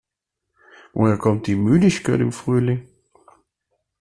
Woher kommt die Müdigkeit im Frühling?